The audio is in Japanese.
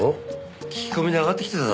聞き込みで上がってきてただろ。